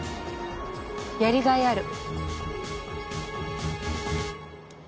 やりがいある。